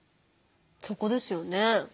そこですよね。